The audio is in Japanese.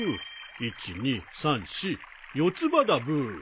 １２３４四つ葉だブー。